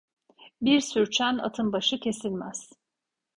Bir sürçen atın başı kesilmez.